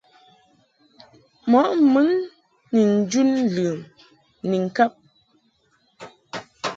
Mɔʼ mun ni njun ləm ni ŋkab .